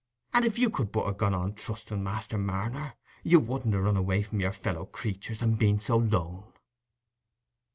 And if you could but ha' gone on trustening, Master Marner, you wouldn't ha' run away from your fellow creaturs and been so lone."